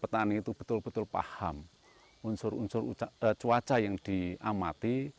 petani itu betul betul paham unsur unsur cuaca yang diamati